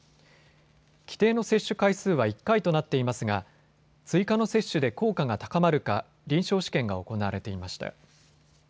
規定の接種回数は１回となっていますが追加の接種で効果が高まるか臨床試験が行われていました。